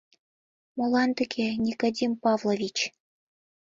Молан тыге, Никодим Павлович?